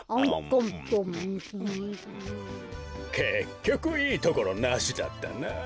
こころのこえけっきょくいいところなしだったな。